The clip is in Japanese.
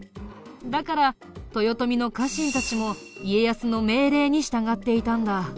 だから豊臣の家臣たちも家康の命令に従っていたんだ。